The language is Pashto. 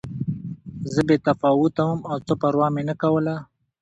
زه بې تفاوته وم او څه پروا مې نه کوله